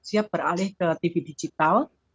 siap beralih ke tv digital